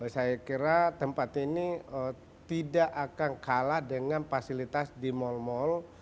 saya kira tempat ini tidak akan kalah dengan fasilitas di mal mal